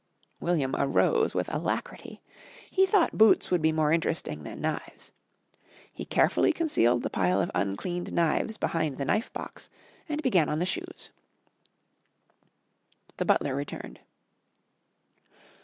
William arose with alacrity. He thought boots would be more interesting than knives. He carefully concealed the pile of uncleaned knives behind the knife box and began on the shoes. The butler returned.